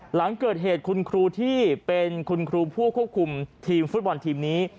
หลังเกิดเหตุคุณครูที่เป็นคุณครูผู้ควบคุมทีมฟุตบอลทีมนี้